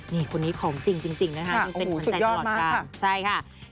นี่คนนี้ของจริงนะคะคุณเป็นคนใจตลอดค่ะใช่ค่ะโอ้โหสุดยอดมากค่ะ